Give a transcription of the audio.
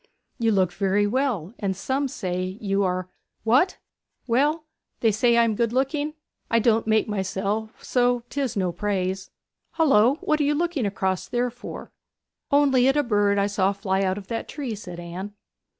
'You look very well; and some say, you are ' 'What? Well, they say I am good looking. I don't make myself, so 'tis no praise. Hullo! what are you looking across there for?' 'Only at a bird that I saw fly out of that tree,' said Anne.